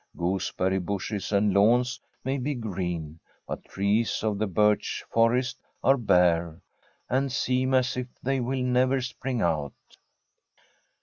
Gooseberry bushes and lawns may be green, but the trees of the birch forest are bare, and seem as if they will never spring out.